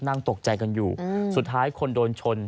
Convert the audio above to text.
นั่งตกใจกันอยู่สุดท้ายคนโดนชน